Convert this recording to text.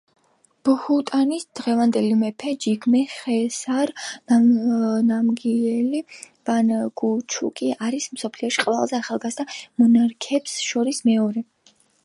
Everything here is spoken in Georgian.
ბჰუტანის დღევანდელი მეფე ჯიგმე ხესარ ნამგიელ ვანგჩუკი არის მსოფლიოში ყველაზე ახალგაზრდა მონარქებს შორის მეორე.